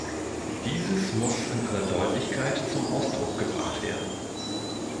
Dieses muss in aller Deutlichkeit zum Ausdruck gebracht werden.